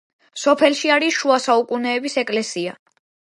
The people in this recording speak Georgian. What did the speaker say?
სოფელში არის შუა საუკუნეების ეკლესია.